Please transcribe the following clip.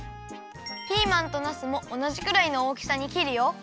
ピーマンとなすもおなじくらいのおおきさに切るよ。